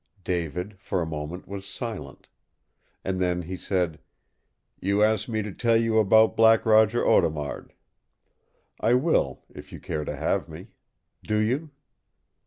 David, for a moment, was silent. And then he said, "You asked me to tell you about Black Roger Audemard. I will, if you care to have me. Do you?"